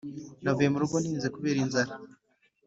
Navuye murugo ntinze kubera inzara